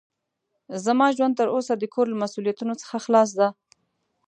زما ژوند تر اوسه د کور له مسوؤليتونو څخه خلاص ده.